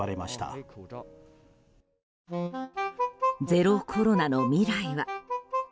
ゼロコロナの未来は。